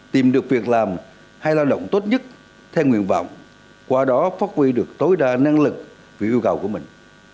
tìm được việc làm hay lao động tốt nhất theo nguyện vọng qua đó phát huy được tối đa năng lực vì yêu cầu của mình